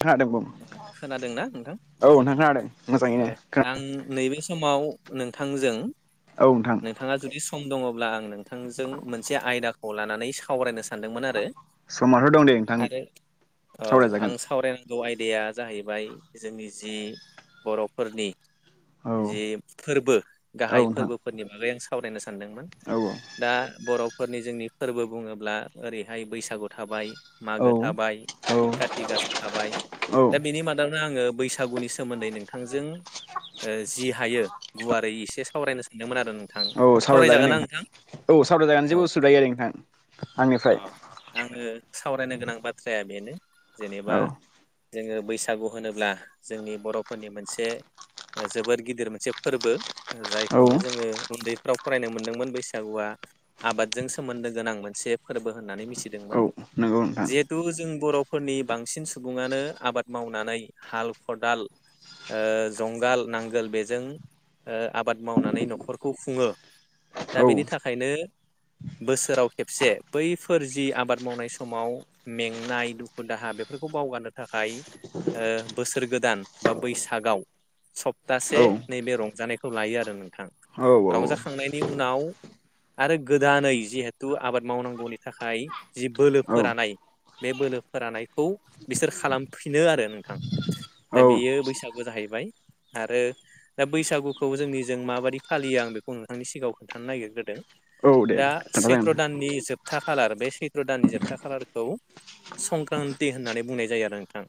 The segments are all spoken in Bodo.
खोनादों बुं औ नोंथां खोनादों। ओ आं नैबे समाव नोंथांजों नोंथाङा जुदि सु सम दङब्ला आं नोंथांजों मोनसे आयदाखौ लानानै सावरायनो सान सानदोंमोन आरो आरो औ आं सावरायन द आयदाया जाहैबाय जोंनि जि बर'फोरनि जि फोरबो गाहाय फोरबोफोरनि बागै आं सा सावरायनो सो सानदोंमोन दा बर' फोरनि जोंनि फोरबो बुङोब्ला ओरैहाय बैसागु थाबाय मागो थाबाय कारति गासा थाबाय दा बेनि मादावनो आङो बैसागुनि सो सोमोन्दै नोंथांजों ओ जि हायो गुवारै एसे सावरायनो सानदोंमोन आर औ सावराय जागोन नोंथां औ सावराय जागोन जेबो उसुबिदा गैया नोंथां। अह आंङो सावरायनो गोनां बाथ्राया बेनो जेनेबा जोंङो बैसागु होनोब्ला जोंनि बर'फोरनि मोनसे ओ जोबोद गिदिर मोनसे फोरबो ओ जायखौनो जोंङो उन्दै फोराव फरायनो मोन्दोंमोन बैसागुआ आबादजों सोमोन्दो गोनां मोनसे फोरबो होननानै मिथ थिदोंमोन, जिहेथु जों बर'फ फोरनि बांसिन सुबुंङानो आबाद मावनानै हाल खदाल ओ जुंगाल नांगोल बेजों ओ आबाद मावनानै न'खरखौ खुंङो । दा बेनि थाखायनो बोसोराव खेबसे बैफोर जि आबाद मावनाय समाव मेंनाय दुखु दाहा बेफोरखौ बावगारनो थाखाय ओ बोसोर गोदान बा बैसागाव सप्तासे नैबे रंजानायखौ लायो आरो नोंथां। रंजाखांनायनि उनाव आरो गोदानै जिहेथु आबाद मावनांग गौनि थाखाय जि बोलो फोरानाय बे बोलो फोरानायखौ बिसोर खालामफिनो आरो नोंथां दा बेयो बैसागु जाहैबाय आरो दा बैसागुखौ जोंनि जों माबादि फालियो आं बेखौ नोंथांनि सिगांङाव खोन्थानो नागिरग्रोदों दा सैथ्र' दाननि जोब था खालार बे सैथ्र' दाननि जोबथा खालारखौ संक्रान्ति होननानै बुंनाय जायो आरो नोंथां,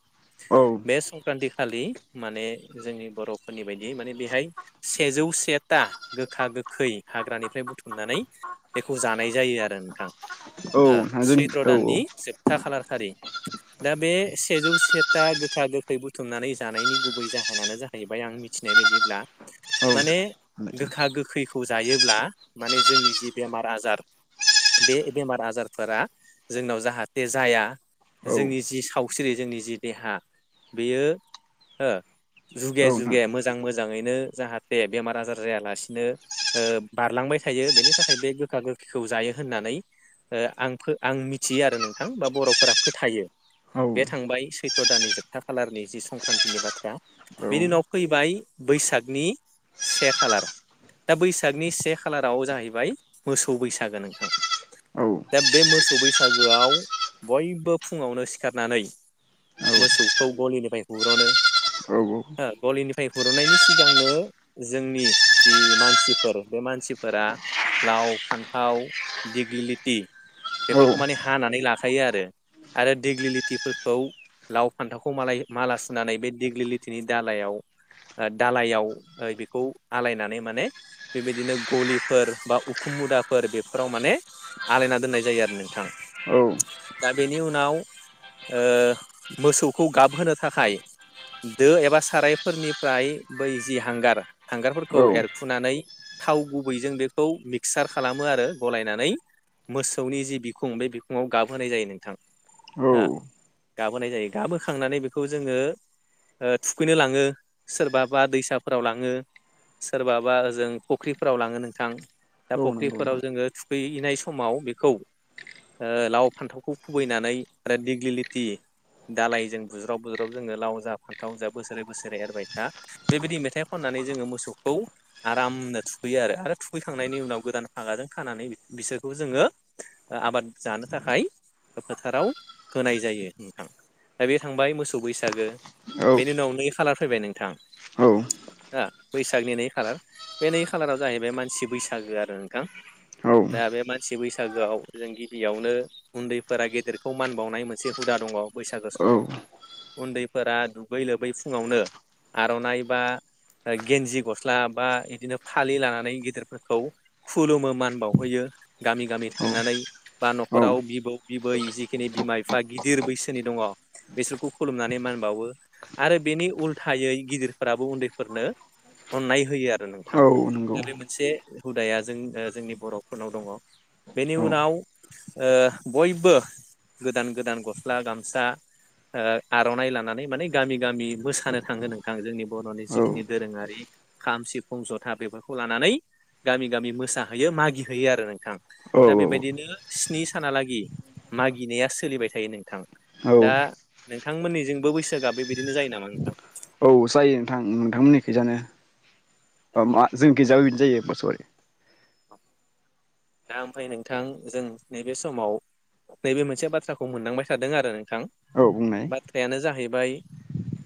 बे संक्रान्ति खालि माने जोंनि बर'फोरनि बायदि माने बेहाय सेजौ सेथा गोखा गोखै हाग्रानिफ्राय बुथुमनानै बेखौ जानाय जायो आरो नोंथां । ओ सैथ्र' दाननि जोबथा खालार हारि दा बे सेजौ सेथा गोखा गोखै बुथुमनानै जानायनि गुबै जाहोनानो जाहैबाय आं मिथिनाय बायदिब्ला माने गोखा गोखैखौ जायोब्ला माने जोंनि जि बेमार आजार बे बेमार आजारफोरा जोंनाव जाहाथे जाया जोंनि जि सावस्रि जोंनि जि देहा बेयो ओ जुगे जुगे मोजां मोजां मोजांङैनो जाहाथे बेमार आजार जायालासिनो ओ बारलांबाय थायो बेनि थाखाय बे गोखा गोखैखौ जायो । होननानै ओ आं फो आं मिथियो आरो नोंथां बा बर'फोरा फोथायो बे थांबाय सैथ्र दाननि जोबथा खालारनि जि संक्रान्तिनि बाथ्रा बेनि उनाव फैबाय बैसागनि से खालार दा बैसागनि से खालाराव जाहैबाय मोसौ बैसागो नोंथां। दा बे मोसौ बैसागोआव बयबो फुंङावनो सिखारनानै मोसौखौ गलिनिफ्राय हुर'नो हो गलिनिफ्राय हुर'नायनि सिगांनो जोंनि जि मानसिफोर बे मानसिफोरा लाव फान्थाव दिग्लिलिथि बेफोरखौ माने हानानै लाखायो आरो आरो दिग्लि लिथिफोरखौ लाव फान्थावखौ मालाय माला सुनानै बे दिग्लि लिथिनि दालायाव ओ दालायाव ओ बेखौ आलायनानै माने बेबायदिनो गलिफोर बा उखुम मुदाफोर बेफोराव माने आलायना दोननाय जायो आरो नोंथां। दा बेनि उनाव ओ मोसौखौ गाबहोनो थाखाय दो एबा सारायफोरनिफ्राय बै जि हांगार हांगारफोरखौ एरखुनानै थाव गुबैजों बेखौ मिक्सार खालामो आरो गलायनानै मोसौनि जि बिखुं बे बिखुंङाव गाबहोनाय जायो नोंथां हो गाबहोनाय जायो गाबोखांनानै बेखौ जोंङो ओ थुखैनो लांङो सोरबाबा दैसाफोराव लांङो सोरबाबा ओजों फख्रिफोराव लांङो नोंथां दा फख्रिफोराव जोंङो थुखै इनाय समाव बेखौ ओ लाव फान्थावखौ खुबैनानै आरो दिग्लिलिथि दालायजों बुज्रब बुज्रब जोंङो लाव जा फान्थाव जा बोसोरै बोसोरै एरबाय था बेबायदि मेथाइ खननानै जोंङो मोसौखौ आरामनो थुखैयो आरो आरो थुखैखांनायनि उनाव गोदान फागाजों खानानै बिसोरखौ जोंङो ओ आबाद जानो थाखाय फोथाराव होनाय जायो नोंथां दा बे थांबाय मोसौ बैसागो बेनि उनाव नै खालार फैबाय नोंथां हो बैसागनि नै खालार बे नै खालाराव जाहैबाय मानसि बैसागो आरो नोंथां। दा बे मानसि बैसागोआव जों गिबियावनो उन्दैफोरा गेदेरखौ मान बावनाय मोनसे हुदा दंङ बैसागो समाव उन्दै फोरा दुगै लोबै फुंङावनो आर'नाइ बा ओ गेन्जि गस्ला बा इदिनो फालि लानानै गेदेरफोरखौ खुलुमो मान बाव हैयो गामि गामि थांनानै बा न'खराव बिबौ बिबै जिखिनि बिमा बिफा गिदिर बैसोनि दंङ बिसोरखौ खुलुमनानै मान बावो आरो बेनि उल्थायै गिदिरफोराबो उन्दैफोरनो अननाय होयो आरो नोंथां दा बे मोनसे हुदाया जों ओ जोंनि बर' फोरनाव दंङ ।बेनि उनाव ओ बयबो गोदान गोदान गस्ला गामसा आर'नाइ लानानै माने गामि गामि मोसानो थांङोनो जोंनि बर'नि जिखिनि दोरोङारि खाम, सिफुं, ज'था बेफोरखौ लानानै गामि गामि मोसाहैयो मागि होयो आरो नोंथां दा बेबायदिनो स्नि सानालागै मागिनाया सोलिबाय थायो नोंथां । दा नोंथां मोननैजोंबो बैसागोआ बेबायदिनो जायो नामा नोंथां? औ जायो नोंथां नोंथांमोननिखैजानो अ मा जों खिजाय इद जायो [unintelligible] [inaudible] दा ओमफ्राय नोंथां जों नैबे समाव नैबे मोनसे बाथ्राखौ मोनदांबाय थादों आरो नोंथां बाथ्रायानो जाहैबाय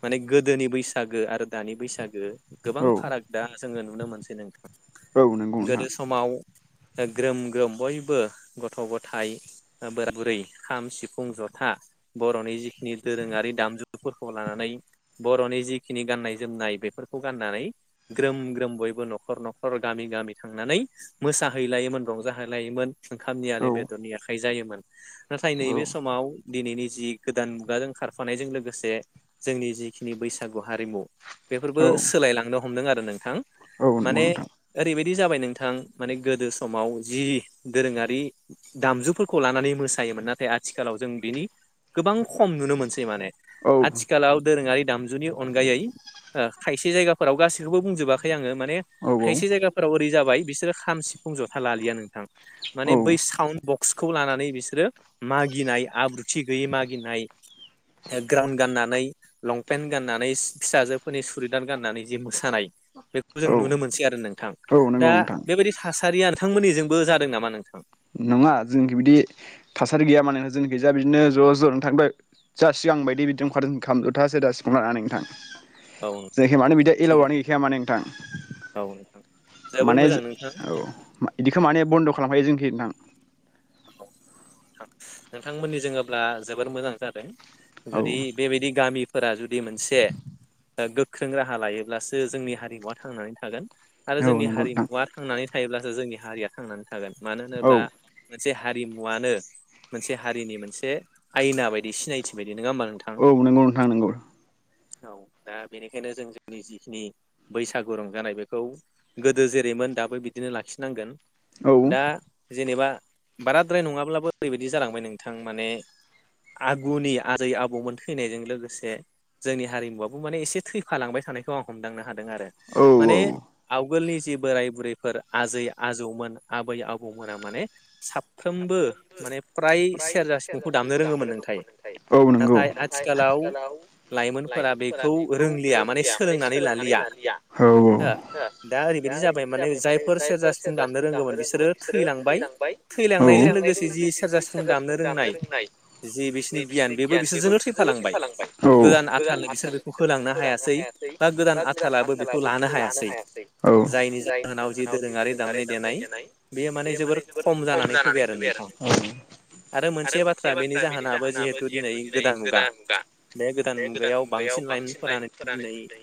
माने गोदोनि बैसागो आरो दानि बैसागो गोबां फाराग दा जोंङो नुनो मोनसै नोंथां गोदो समाव ग्रोम-ग्रोम बयबो गथ' गथाय बोरा बुरै खाम, सिफुं, जथा बर'नि जिखिनि दोरोंङारि दामजुफोरखौ लानानै बर'नि जिखिनि गाननाय जोमनाय बेफोरखौ गाननानै ग्रोम ग्रोम बयबो न'खर न'खर गामि गामि थांनानै मोसा हैलायोमोन रंजाहैलायोमोन ओंखामनि आले बेदरनि आखाइ जायोमोन नाथाय नैबे समाव दिनैनि जि गोदान मुगाजों खारफानायजों लोगोसे जोंनि जिखिनि बैसागु हारिमु बेफोरबो सोलायलांनो हमदों आरो नोंथां माने ओरैबायदि जाबाय नोंथां माने गोदो समाव जि दोरोंङारि दामजुफोरखौ लानानै मोसायोमोन नाथाय आथिखालाव जों बिनि गोबां खम नुनो मोनसै माने आथिखालाव दोरोंङारि दामजुनि अनगायै ओ खायसे जायगाफोराव गाैखौबो बुंजोबाखै आंङो माने खायसे जायगाफोराव ओरै जाबाय बिसोरो खाम सि फुं ज'था लालिया नोंथां माने बै साउन्ड बक्सखौ लानानै बिसोरो मागिनाय आब्रुथि गैयै मागिनाय ग्राउन गाननानै लंपेन्ट गाननानै सि-फिसाजोफोरनि सुरिदान गाननानै जे मोसानाय बेखौ जों नुनो मोनसै आरो नोंथां दा बेबायदि थासारिया नोंथांमोननिजोंबो जादों नामा नोंथां? नंङा जोंनिखि बिदि थासारि गैया मानोना जोंनिखि जा बिदिनो ज' ज' न थांबाय जा सिगां बायदि बिदिनो खारार खामज'थासै दा सिगां लानानै नोंथां । जायखि मानो बिदि एलावबानो गैखाया माने नोंथां माने औ बिदिख माने बन्द' खालामखायो जोंखै नोंथां । औ नोंथांमोननि जोङोब्ला जोबोर मोजां जादों । जुदि बेबायदि गामि फोरा जुदि मोनसे गोख्रों राहा लायोब्लासो जोंनि हारिमुवा थांनानै थागोन आरो जोंनि हारिमुवा थांनानै थायोब्लासो जोंनि हारिया थांनानै थागोन मानो होनोब्ला मोनसे हारिमुवानो मोनसे हारिनि मोनसे आयना बायदि सिनायथि बायदि नङा होमबा नोंथां औ दा बेनिखायनो जों जोंनि जिखिनि बैसागु रंजानाय बेखौ गोदो जेरैमोन दाबो बिदिनो लाखिनांगोन दा जेनेबा बाराद्राय नङाब्लाबो ओरैबायदि जालांबाय नोंथां माने आगुनि आजै आबौमोन थैनायजों लोगोसे जोंनि हारिमुवाबबो माने एसे थैफालांबाय थानायखौ आं हमदांनो हादों आरो माने आवगोलनि जि बोराय बुरैफोर आजै आजौमोन आबै आबौमोना माने साफ्रोमबो माने फ्राय सेरजा सिफुंखौ दामनो रोङोमोन नोंथां [inaudible] औ औ [inaudible] थैलांनायजों लोगोसे जि सेरजा सिफुं दामनो रोंनाय जि बिसिनि गियान बेबो बिसोर लांबाय गोदान आथानो बिसोर बेखौ होलांनो हायासै । बा गोदान आथालाबो बेखौ लानो हायासै औ । होनाव जि दोरोङारि दामनाय देनाय बेयो माने जोबोर खम जानानै फैाय आरो । आरो मोनसे बाथ्रा बेनि जाहोनाबो जिहेथु दिनै गोदान मुगा बे गोदान मुगायाव बांसिन लाइनफोरानो दिनै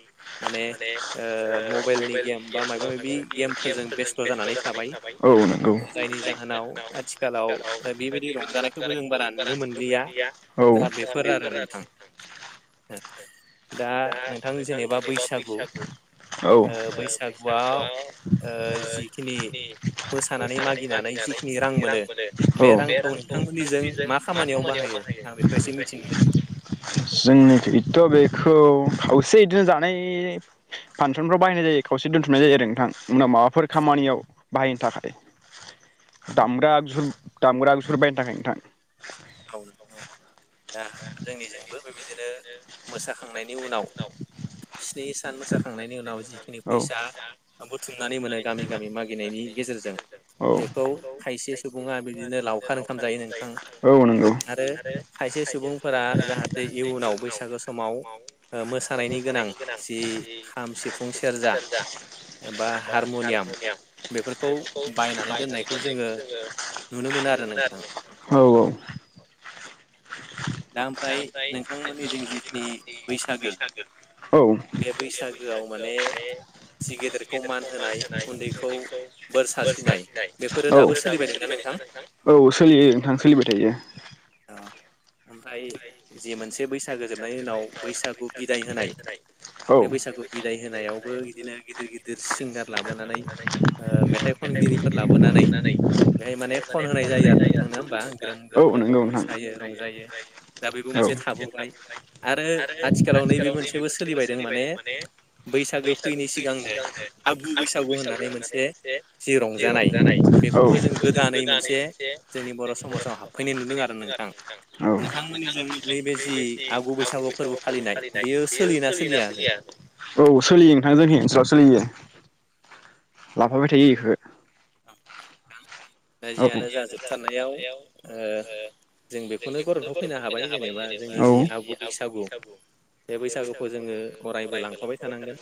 माने ओ मबाइलनि गेमसाव माबा मदि गेमफोरजों बेस्थ' जानानै थाबाय ।औ नोंगौ ओमफ्राय आथिलाव बे रंजानायखौबो जों बारा नुनो मोन औ [inaudible] दा नोंथां जेनेबा बैसागु ओ बैसागुआव ओ जि खिनि मोसानानै मागिनानै जि [inaudible] जोंनिथ' बेखौ खावसे बिदिनो जानाय फांसनफ्राव बाहायनाय जायो खावसे दोनथुमनाय जायो आरो नोंथां उनाव माबाफोर खामानियाव बाहायनो थाखाय । दामग्रा आगजु दामग्रा गुसुर बायनो थाखाय नोंथां। औ औ दा जोंनिजोंबो बेबायदिनो मोसा खांनायनि उनाव स्नि सान मोसाखांनायनि उनाव जिखिनि फैसा बुथुमनानै मोनो गामि गामि मागिनायनि गेजेरजों बेखौ खायसे सुबुङा बिदिनो लावखार ओंखाम जायो नोंथां औ नोंगौ खायसे सुबुं फोरा जाहाथे इयुनाव बैसागो समाव ओ मोसानायनि गोनां जि खाम सिफुं सेरजा बा हारमुनियाम बेफोर खौ बायनानै दोननायखौ जोङो नुनो मोनो आरो नोंथां औ औ। दाम औ औ सोलियो नोंथां सोलिबाय थायो। ओमफाय जि मोनसे बैसागो जोबनायनि उनाव बैसागु बिदाय होनाय बे बैसागु बिदाय होनायाव बो इदिनो गिदिर गिदिर सिंगार लाबोनानै ओ मेथाइ खनगिरिफोर लाबोनानै बेहाय माने खन होनाय जायो आरो नोंथांनो होनबा ग्रोन अ नोंगौ मोसायो रंजायो। दा बेबो मोनसे थाबोबाय आरो आथिखालाव नैबे मोनसेबो सोलिबायदों माने बैसागो फैयिनि सिगांनो आगु बैसागु होननानै मोनसे जि रंजानाय बेखौबो जों गोदानै मोनसे जोंनि बर' समाजाव हाबफैनाय नुदों आरो नों थां नोंथांमोननिजों नैबे जि आगु बैसागु फोरबो फालिनाय बेयो सोलिना सो सोलियो ना सोलिया औ सोलियो नोंथां जोंनि ओनसोलाव सोलियो। लाफाबाय थायो इखो दा जियानो जा जोबथारनायाव ओ जों बेखौनो गरथाव फैनो हाबाय जेनेबा जोंनि जि आगु बैसागु बे बैसागुखौ जोङो अरायबो लांफाबाय थानांगोन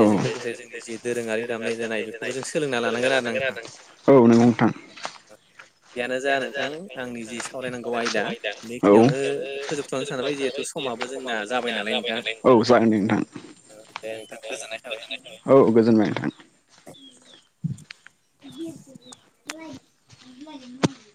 बेजों लोगोसे जोंनि जि दोरोङारि दामनाय देनाय बेखौबो जों सोलोंना लानांगोन आरो ना नों खोनादों औ नोंगौ नोंथां जिआनो जा नोंथां जोंनि जि सावरायनांगौ आयदा औ बेयावनो फोजोबाथनो सानबाय समाबो जोंना जाबाय नालाय औ जागोन दे नोंथां औ दे गोजोननाय थाबाय औ गोजोनबाय नोंथां। [inaudible] [inaudible]